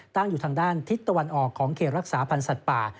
ตั้งอยู่ทางด้านทิศตะวันออกของเขตรักษาพันธ์สัตว์ป่า